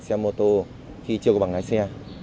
xe mô tô khi chưa có bằng lái xe